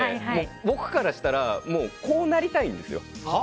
僕からしたらこうなりたいんですよ。